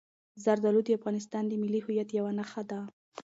زردالو د افغانستان د ملي هویت یوه نښه ده.